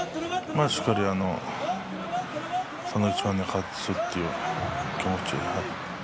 しっかりその一番に懸けるという気持ちで。